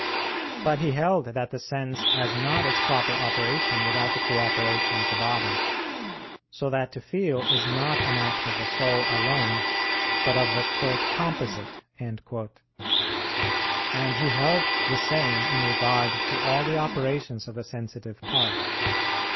But he held that the sense has not its proper operation without the cooperation of the body; so that to feel is not an act of the soul alone, but of the "composite." And he held the same in regard to all the operations of the sensitive part.